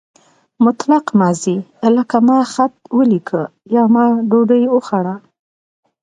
مطلق ماضي لکه ما خط ولیکه یا ما ډوډۍ وخوړه.